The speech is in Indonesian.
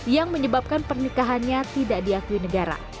yang menyebabkan pernikahannya tidak diakui negara